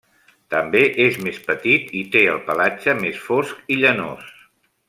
També és més petit i té el pelatge més fosc i llanós.